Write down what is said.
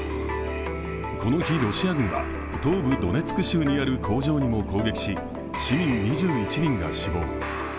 この日、ロシア軍は東部ドネツク州にある工場にも攻撃し、市民２１人が死亡。